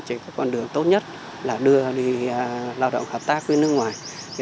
chỉ có con đường tốt nhất là đưa đi lao động hợp tác với nước ngoài